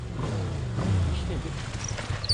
İş nedir?